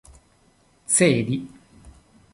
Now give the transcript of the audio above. cedi